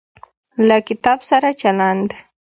له کتاب سره چلند